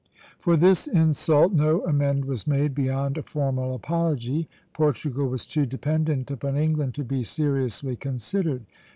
For this insult no amend was made beyond a formal apology; Portugal was too dependent upon England to be seriously considered.